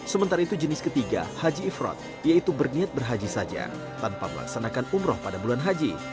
sementara itu jenis ketiga haji ifrod yaitu berniat berhaji saja tanpa melaksanakan umroh pada bulan haji